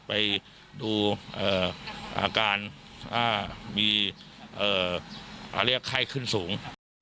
ไปดูอาการมีเรียกไข้ขึ้นสูง